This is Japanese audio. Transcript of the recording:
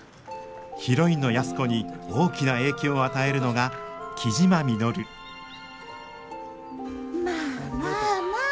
ヒロインの安子に大きな影響を与えるのが雉真稔まあまあまあ。